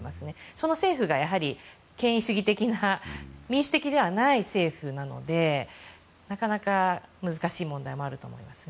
その政府が権威主義的な民主的ではない政府なのでなかなか難しい問題もあると思いますね。